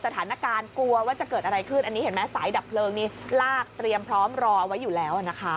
เตรียมพร้อมรอไว้อยู่แล้วนะคะ